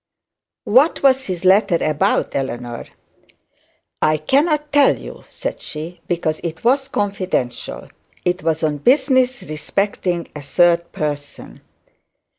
'What was the letter about, Eleanor?' 'I cannot tell you,' said she, 'because it was confidential. It was on business respecting a third person.'